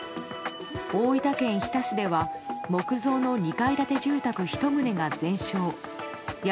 大分県日田市では木造の２階建て住宅１棟が全焼。